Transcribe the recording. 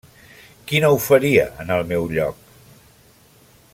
Qui no ho faria en el meu lloc?